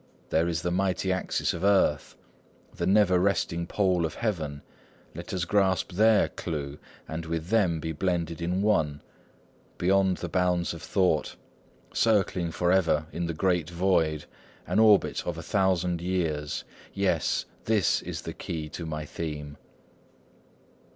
There is the mighty axis of Earth, The never resting pole of Heaven; Let us grasp their clue, And with them be blended in One, Beyond the bounds of thought, Circling for ever in the great Void, An orbit of a thousand years,— Yes, this is the key to my theme."